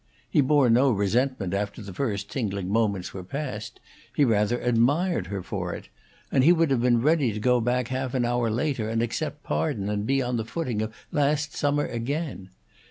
He bore no resentment after the first tingling moments were past; he rather admired her for it; and he would have been ready to go back half an hour later and accept pardon and be on the footing of last summer again.